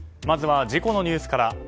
まずは事故のニュースから。